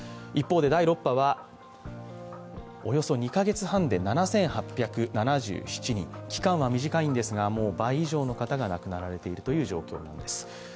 一方で第６波はおよそ２カ月半で７８７７人、期間は短いんですが倍以上の方が亡くなられているという状況です。